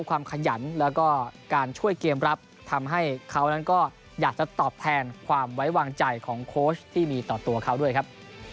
ขยันแล้วก็การช่วยเกมรับทำให้เขานั้นก็อยากจะตอบแทนความไว้วางใจของโค้ชที่มีต่อตัวเขาด้วยครับ